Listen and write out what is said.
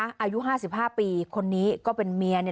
อายุห้าสิบห้าปีคนนี้ก็เป็นเมียเนี่ย